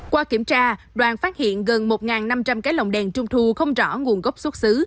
qua kiểm tra đoàn phát hiện gần một năm trăm linh cái lòng đèn trung thu không rõ nguồn gốc xuất xứ